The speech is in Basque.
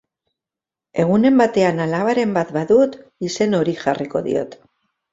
Egunen batean alabaren bat badut, izen hori jarriko diot.